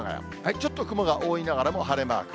ちょっと雲が多いながらも晴れマーク。